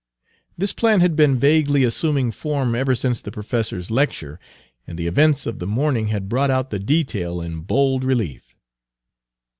This plan had been vaguely assuming form ever since the professor's lecture, and the events of the morning had brought out the detail in bold relief.